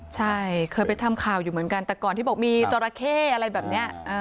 ใช่เคยไปทำข่าวอยู่เหมือนกันแต่ก่อนที่บอกมีจราเข้อะไรแบบนี้